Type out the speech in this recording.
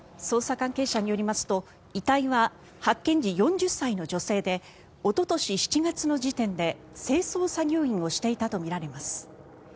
捜査関係者によりますと遺体は発見時、４０歳の女性でおととし７月の時点で清掃作業員をしていたとみられます。